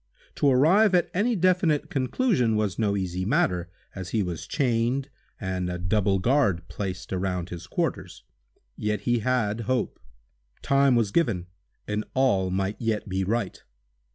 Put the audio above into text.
To arrive at any definite conclusion was no easy matter, as he was chained, and a double guard placed around his quarters. Yet he had hope—time was given and all might yet be right.